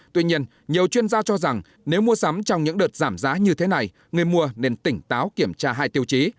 tuy nhiên nhiều chuyên gia cho rằng nếu mua sắm trong những đợt giảm giá như thế này người mua nên tỉnh táo kiểm tra hai tiêu chí